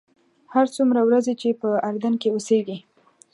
هر څومره ورځې چې په اردن کې اوسېږې.